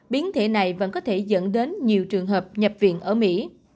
biến thể này vẫn có thể dẫn đến nhiều trường hợp nhập viện ở mỹ